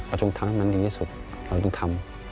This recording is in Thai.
ประจงทั้งนั้นดีที่สุดเราต้องทำ